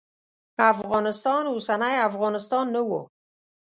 افغانستان اوسنی افغانستان نه و.